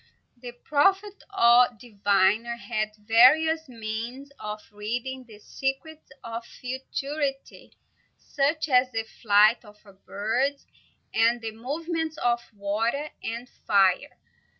The prophet, or diviner, had various means of reading the secrets of futurity, such as the flight of birds, and the movements of water and fire.